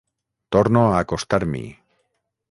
Torno a acostar-m'hi.